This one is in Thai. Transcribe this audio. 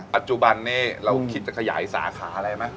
ปัจจุบันนี้เราคิดจะขยายสาขาอะไรไหม